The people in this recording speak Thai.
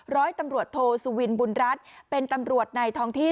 ร้อยตำรวจโทสุวินบุญรัฐเป็นตำรวจในท้องที่